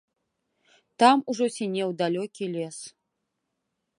Там ужо сінеў далёкі лес.